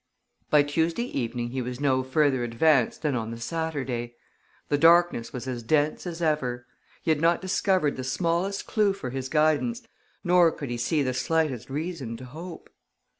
By Tuesday evening he was no further advanced than on the Saturday. The darkness was as dense as ever. He had not discovered the smallest clue for his guidance, nor could he see the slightest reason to hope.